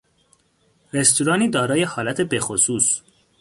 رستورانی دارای حالت بخصوص